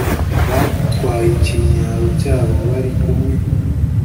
batwaye ikimwaro cyabo bari kumwe